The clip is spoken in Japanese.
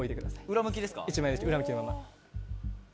裏向きのまま。